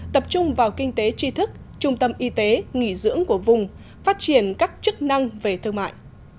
tập trung vào kinh tế tri thức trung tâm y tế nghỉ dưỡng của vùng phát triển các chức năng về thương mại